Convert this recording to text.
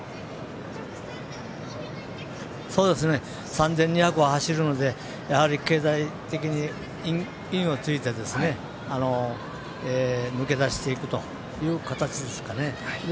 ３２００を走るのでやはり計画的にインを突いて抜け出していくという形ですかね。